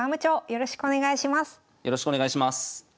よろしくお願いします。